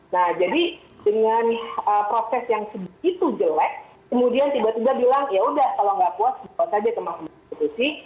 nah jadi dengan proses yang begitu jelek kemudian tiba tiba bilang yaudah kalau nggak puas bawa saja ke mahkamah konstitusi